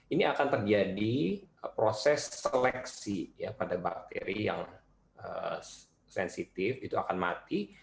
ini akan terjadi proses seleksi pada bakteri yang sensitif itu akan mati